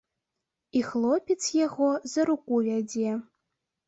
І хлопец яго за руку вядзе.